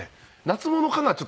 夏物かな？